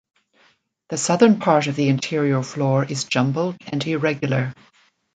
The southern part of the interior floor is jumbled and irregular.